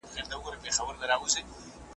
حیوانان او انسانان به مري له تندي .